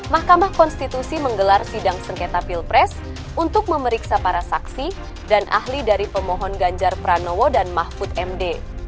mahkamah konstitusi menggelar sidang sengketa pilpres untuk memeriksa para saksi dan ahli dari pemohon ganjar pranowo dan mahfud md